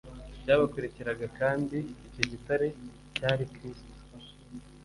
cyabakurikiraga kandi icyo gitare cyari kristo